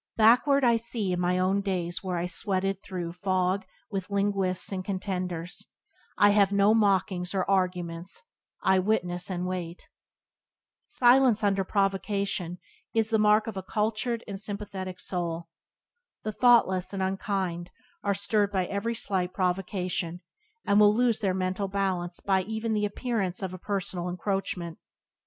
"Backward I see in my own days where I sweated through fog with linguists and contenders; I have no mockings or arguments, I witness and wait". Silence under provocation is the mark of a cultured and sympathetic soul. The thoughtless and unkind are stirred by every slight provocation, and will lose their mental balance by even the appearance of a personal encroachment.